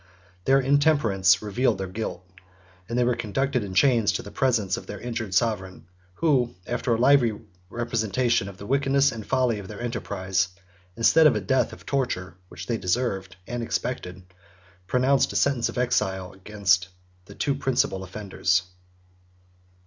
Their intemperance revealed their guilt; and they were conducted in chains to the presence of their injured sovereign, who, after a lively representation of the wickedness and folly of their enterprise, instead of a death of torture, which they deserved and expected, pronounced a sentence of exile against the two principal offenders.